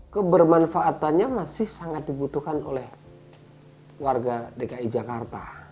kebermanfaatannya masih sangat dibutuhkan oleh warga dki jakarta